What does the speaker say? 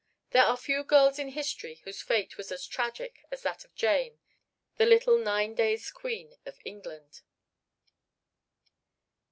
There are few girls in history whose fate was as tragic as that of Jane, the little "Nine Days' Queen of England."